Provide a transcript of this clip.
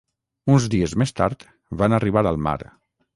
Uns dies més tard, van arribar al mar.